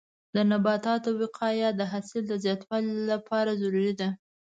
د نباتو وقایه د حاصل د زیاتوالي لپاره ضروري ده.